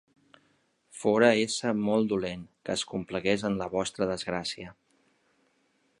Fora ésser molt dolent, que es complagués en la vostra desgràcia!